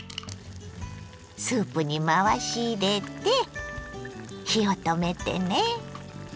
スープに回し入れて火を止めてね。